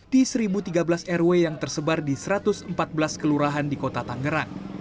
di satu tiga belas rw yang tersebar di satu ratus empat belas kelurahan di kota tangerang